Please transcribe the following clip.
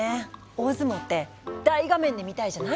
大相撲って大画面で見たいじゃない？